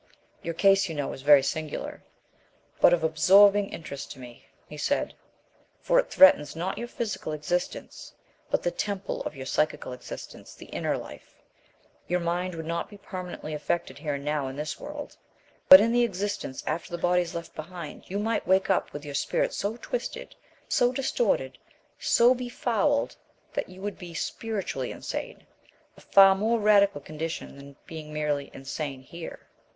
"Your case, you know, is very singular, but of absorbing interest to me," he said, "for it threatens, not your physical existence, but the temple of your psychical existence the inner life. Your mind would not be permanently affected here and now, in this world; but in the existence after the body is left behind, you might wake up with your spirit so twisted, so distorted, so befouled, that you would be spiritually insane a far more radical condition than merely being insane here."